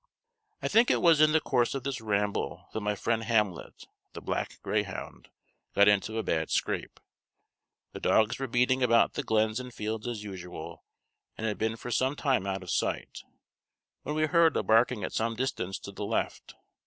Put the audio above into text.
I think it was in the course of this ramble that my friend Hamlet, the black greyhound, got into a bad scrape. The dogs were beating about the glens and fields as usual, and had been for some time out of sight, when we heard a barking at some distance to the left.